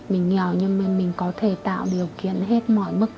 mình nghèo nhưng bên mình có thể tạo điều kiện hết mọi mức